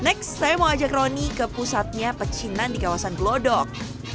next saya mau ajak roni ke pusatnya pecinan di kawasan glodok